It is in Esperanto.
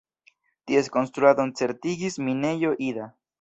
Ties konstruadon certigis Minejo Ida.